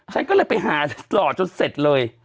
ฉันก็เลยไปหาหล่อจนเสร็จเลย